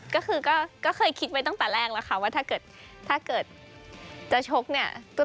ก็คือก็เคยคิดไว้ตั้งแต่แรกแล้วค่ะว่าถ้าเกิดถ้าเกิดจะชกเนี่ย